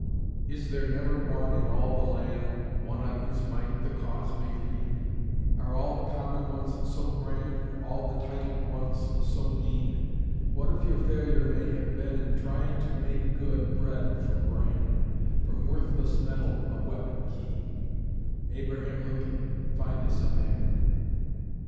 Is there never one in all the land, One on whose might the Cause may lean? Are all the common ones so grand, And all the titled ones so mean? What if your failure may have been In trying to make good bread from bran, From worthless metal a weapon keen? Abraham Lincoln, find us a MAN!